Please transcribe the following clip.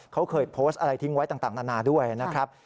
เขาเคยโพสต์อะไรทิ้งไว้ต่างนานาด้วยนะครับ